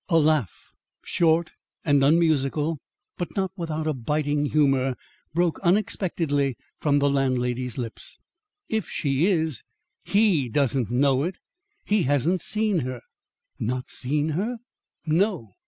A laugh, short and unmusical but not without a biting humour, broke unexpectedly from the landlady's lips. "If she is, HE don't know it. He hasn't seen her." "Not seen her?" "No.